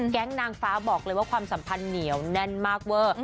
นางฟ้าบอกเลยว่าความสัมพันธ์เหนียวแน่นมากเวอร์